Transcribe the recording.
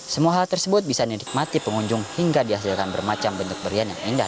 semua hal tersebut bisa dinikmati pengunjung hingga dihasilkan bermacam bentuk berian yang indah